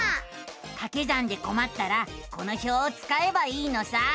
かけ算でこまったらこの表をつかえばいいのさ。